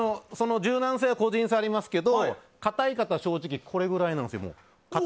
柔軟性は個人差がありますけど硬い方は、正直これぐらいなんです。